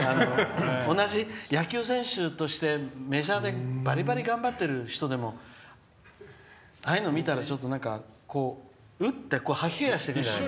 同じ野球選手としてメジャーでバリバリ頑張ってる人でもああいうの見たら、ちょっとうっって吐き気がしてくるんじゃないの。